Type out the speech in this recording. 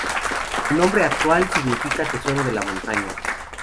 Su nombre actual significa "Tesoro de la Montaña".